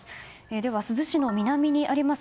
では、珠洲市の南にあります